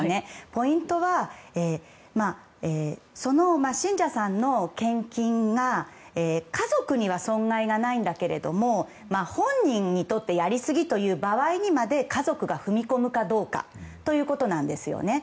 ポイントはその信者さんの献金が家族には損害がないんだけども本人にとってやりすぎという場合にまで家族が踏み込むかどうかということなんですよね。